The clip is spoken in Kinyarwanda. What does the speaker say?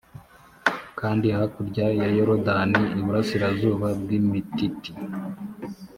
kandi hakurya ya yorodani iburasirazuba bw imititi